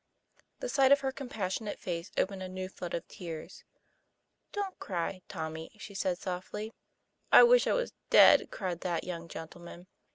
The sight of her compassionate face opened a new flood of tears. "Don't cry, Tommy," she said softly. "I wish I was dead," cried that young gentleman.